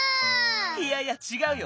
いやいやちがうよ。